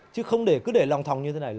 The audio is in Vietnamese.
chứ không để cứ để lòng thòng như thế này